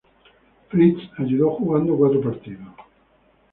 Fritz ayudó jugando cuatro partidos.